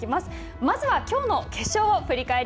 まずはきょうの決勝を振り返り